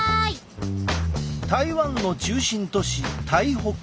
台湾の中心都市台北。